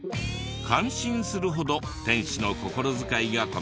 感心するほど店主の心遣いが細かいそうで。